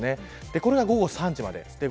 これが午後３時までです。